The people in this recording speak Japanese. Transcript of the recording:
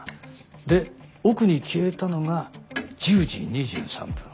で奥に消えたのが１０時２３分。